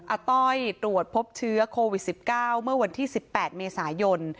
อาต้อยตรวจพบเชื้อโควิด๑๙เมื่อวันที่๑๘เมษายน